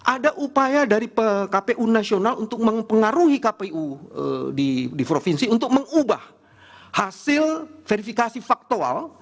ada upaya dari kpu nasional untuk mempengaruhi kpu di provinsi untuk mengubah hasil verifikasi faktual